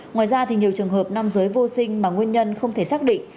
ngoài ra nhiều trường hợp nam giới vô sinh mà nguyên nhân không thể xác định